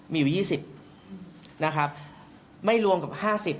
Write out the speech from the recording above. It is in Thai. มีอยู่๒๐ไม่รวมกับ๕๐